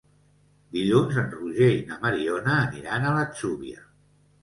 Dilluns en Roger i na Mariona aniran a l'Atzúbia.